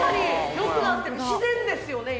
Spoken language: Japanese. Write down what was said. よくなってる自然ですよね